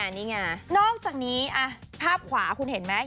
นี่ไงนอกจากนี้ภาพขวาคุณเห็นไหม